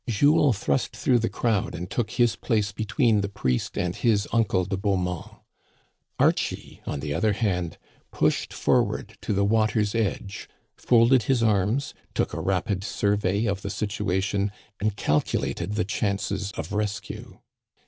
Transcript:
Jules thrust through the crowd and took his place between the priest and his uncle de Beaumont. Archie, on the other hand, pushed forward to the water's edge, folded his arms, took a rapid survey of the situa tion, and calculated the chances of rescue.